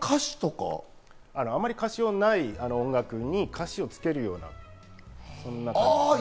あまり歌詞のない音楽に歌詞をつけるような、そんな感じです。